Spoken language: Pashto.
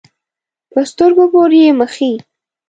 په سترګو پورې یې مښي.